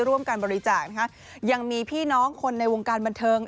ร่วมการบริจาคนะคะยังมีพี่น้องคนในวงการบันเทิง